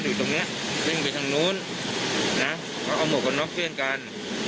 อยู่ตรงเนี้ยวิ่งไปทางนู้นนะเขาเอาหมวกกันน็อกเพื่อนกัน